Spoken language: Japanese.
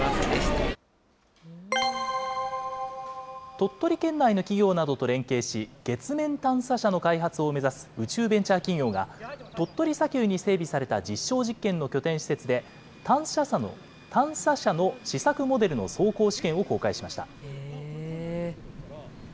鳥取県内の企業などと連携し、月面探査車の開発を目指す宇宙ベンチャー企業が、鳥取砂丘に整備された実証実験の拠点施設で、探査車の試作モデルの走行試験を公開しました。